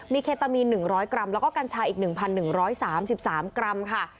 มีเคตามีนหนึ่งร้อยกรัมแล้วก็กัญชาอีกหนึ่งพันหนึ่งร้อยสามสิบสามกรัมค่ะ